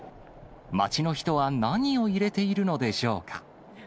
街の人は何を入れているのでしょうか。